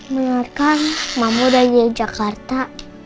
menurutkan mama udah di jakarta